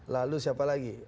lalu siapa lagi